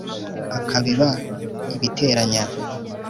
Akabiba ibiteranya